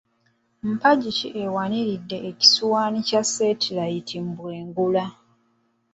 Mpagi ki ewaniridde ekisowani kya ssetirayiti mu bwengula?